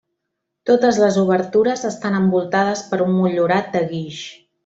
Totes les obertures estan envoltades per un motllurat de guix.